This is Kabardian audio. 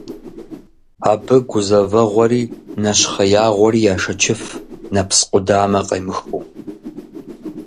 Абы гузэвгъуэри нэщхъеягъуэри яшэчыф, нэпс къудамэ къемыхыу.